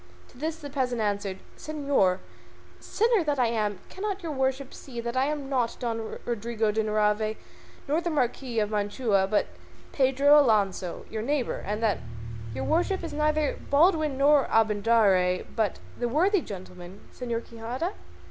To this the peasant answered, "Señor sinner that I am! cannot your worship see that I am not Don Rodrigo de Narvaez nor the Marquis of Mantua, but Pedro Alonso your neighbour, and that your worship is neither Baldwin nor Abindarraez, but the worthy gentleman Señor Quixada?"